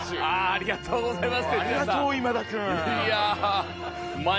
ありがとうございます。